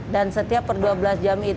dan setiap per dua belas jam